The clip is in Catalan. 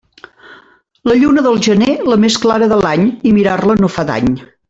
La lluna del gener, la més clara de l'any, i mirar-la no fa dany.